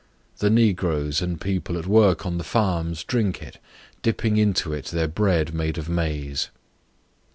The negroes and people at work on the farms drink it, dipping into it their bread made of maize.